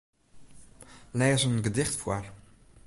Lês in gedicht foar.